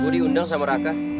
gue diundang sama raka